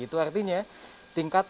itu artinya tingkatnya